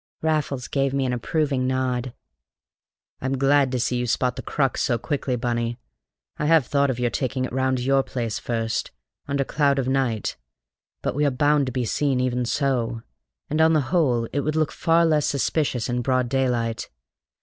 Raffles gave me an approving nod. "I'm glad to see you spot the crux so quickly, Bunny. I have thought of your taking it round to your place first, under cloud of night; but we are bound to be seen even so, and on the whole it would look far less suspicious in broad daylight.